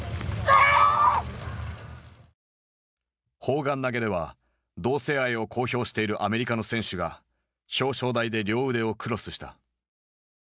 砲丸投げでは同性愛を公表しているアメリカの選手が表彰台で両腕をクロスした。